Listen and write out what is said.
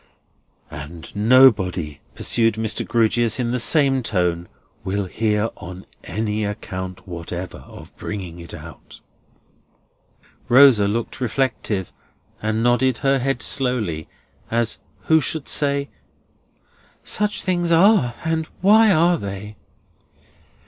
"And nobody," pursued Mr. Grewgious in the same tone, "will hear, on any account whatever, of bringing it out." Rosa looked reflective, and nodded her head slowly; as who should say, "Such things are, and why are they!"